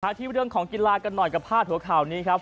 ที่เรื่องของกีฬากันหน่อยกับพาดหัวข่าวนี้ครับ